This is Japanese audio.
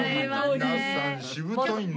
皆さんしぶといんで。